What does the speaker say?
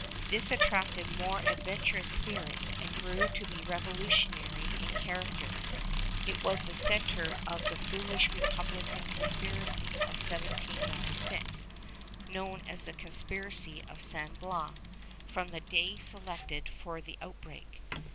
This attracted the more adventurous spirits and grew to be revolutionary in character. It was the centre of the foolish republican conspiracy of 1796, known as the conspiracy of San Bias, from the day selected for the outbreak.